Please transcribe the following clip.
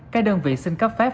các đơn vị xin cấp phép